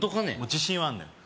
自信はあんのよ